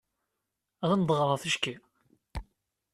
Ad am-d-ɣreɣ ticki?